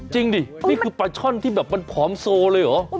ดินี่คือปลาช่อนที่แบบมันผอมโซเลยเหรอ